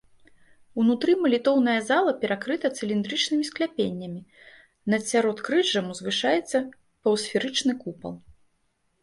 Унутры малітоўная зала перакрыта цыліндрычнымі скляпеннямі, над сяродкрыжжам узвышаецца паўсферычны купал.